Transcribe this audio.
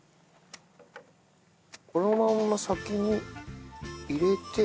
このまま先に入れて。